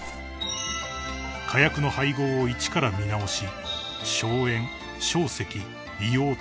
［火薬の配合を一から見直し］